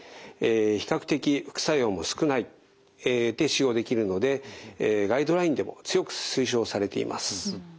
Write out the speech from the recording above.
比較的副作用も少ないで使用できるのでガイドラインでも強く推奨されています。